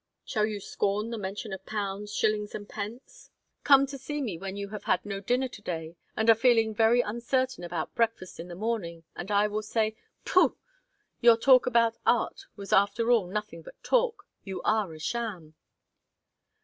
Shall you scorn the mention of pounds, shillings and pence? Come to see me when you have had no dinner to day, and are feeling very uncertain about breakfast in the morning, and I will say, 'Pooh! your talk about art was after all nothing but talk; you are a sham!'"